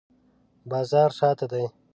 بازار شاته دی